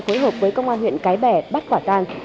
phối hợp với công an huyện cái bè bắt quả tang